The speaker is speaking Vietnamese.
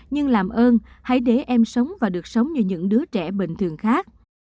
nhưng làm ơn hãy để em sống và được sống như những đứa trẻ bình thường khác